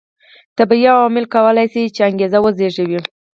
طبیعي عواملو کولای شول چې انګېزې وزېږوي.